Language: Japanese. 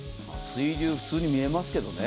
水流、普通に見えますけどね。